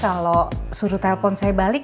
kamu sampaikan aja kalau suruh telpon saya balik ya